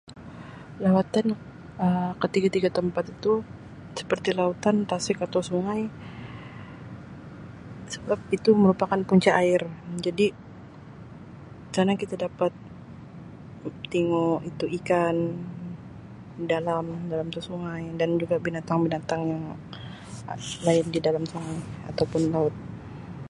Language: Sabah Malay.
Lawatan Um ketiga-tiga tempat itu seperti lautan, tasik atau sungai sebab itu merupakan punca air jadi sana kita dapat tingu itu ikan, dalam-dalam tu sungai dan juga binatang-binatang yang lain dalam tu sungai atau pun laut.